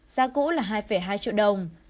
giá cũ là hai hai triệu đồng